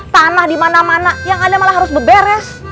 tanah dimana mana yang ada malah harus beberes